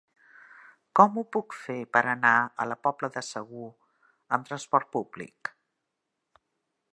Com ho puc fer per anar a la Pobla de Segur amb trasport públic?